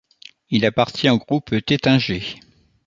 Il appartient au groupe Taittinger.